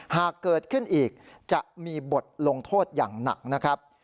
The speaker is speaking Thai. หากเกิดขึ้นอีกจะมีบทลงโทษอย่างหนักนะครับ